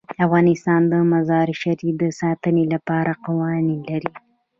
افغانستان د مزارشریف د ساتنې لپاره قوانین لري.